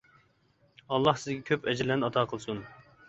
ئاللا سىزگە كۆپ ئەجىرلەرنى ئاتا قىلسۇن.